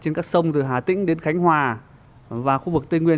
trên các sông từ hà tĩnh đến khánh hòa và khu vực tây nguyên